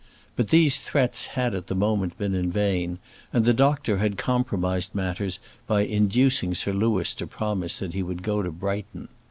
But these threats had at the moment been in vain, and the doctor had compromised matters by inducing Sir Louis to promise that he would go to Brighton.